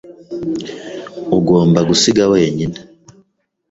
Ugomba gusiga wenyine.